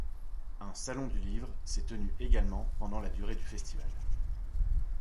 Un salon du livre s'est tenu également pendant la durée du festival.